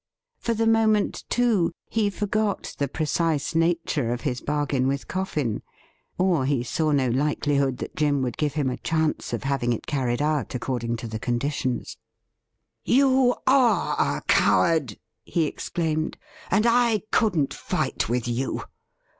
For the moment, too, he forgot the precise nature of his bargain with Coffin ; or he saw no likelihood that Jim would give him a chance of having it carried out according to the conditions. A LEAP IN THE DARK 305 ' You are a cowaxd,' he exclaimed, ' and I couldn't fight with you!